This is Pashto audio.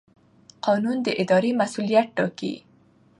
قانون د ادارې مسوولیت ټاکي.